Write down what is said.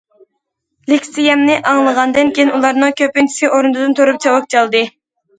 لېكسىيەمنى ئاڭلىغاندىن كېيىن ئۇلارنىڭ كۆپىنچىسى ئورنىدىن تۇرۇپ چاۋاك چالدى.